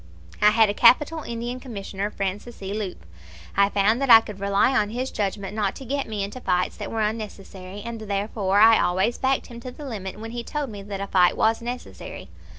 I had a capital Indian Commissioner, Francis E. Leupp. I found that I could rely on his judgment not to get me into fights that were unnecessary, and therefore I always backed him to the limit when he told me that a fight was necessary.